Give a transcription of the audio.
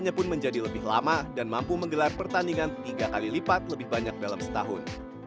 hanya pun menjadi lebih lama dan mampu menggelar pertandingan tiga kali lipat lebih banyak dalam setahun